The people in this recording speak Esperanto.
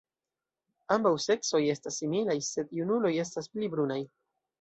Ambaŭ seksoj estas similaj, sed junuloj estas pli brunaj.